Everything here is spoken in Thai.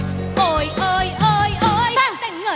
ฮุยฮาฮุยฮารอบนี้ดูทางเวที